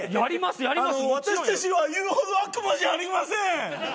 私たちは言うほど悪魔じゃありません。